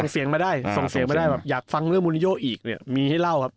ส่งเสียงมาได้อยากฟังเรื่องมูลนิโย่อีกเนี่ยมีให้เล่าครับ